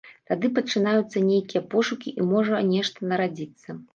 Тады пачынаюцца нейкія пошукі і можа нешта нарадзіцца.